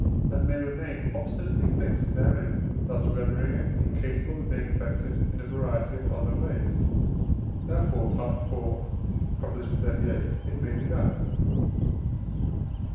and may remain obstinately fixed therein, thus rendering it incapable of being affected in a variety of other ways: therefore (IV. xxxviii.) it may be bad.